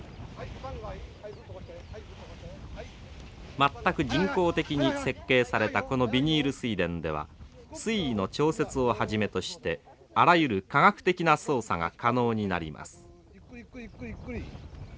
全く人工的に設計されたこのビニール水田では水位の調節をはじめとしてあらゆる科学的な操作が可能になります。